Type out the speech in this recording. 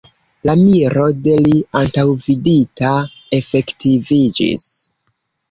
La miro de li antaŭvidita efektiviĝis.